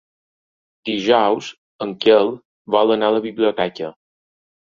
Dijous en Quel vol anar a la biblioteca.